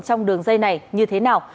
trong đường dây này như thế nào